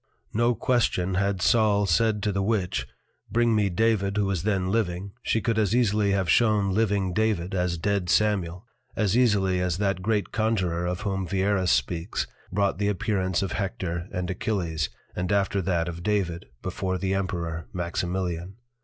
No Question had Saul said to the Witch, bring me David who was then living, she could as easily have shown living David as dead Samuel, as easily as that great Conjurer of whom Wierus speaks, brought the appearance of Hector and Achilles, and after that of David before the Emperour Maximilian.